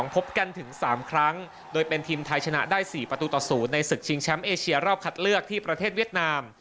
พบกันถึง๓ครั้งโดยเป็นทีมไทยชนะได้๔ประตูต่อ๐ในศึกชิงแชมป์เอเชียรอบคัดเลือกที่ประเทศเวียดนาม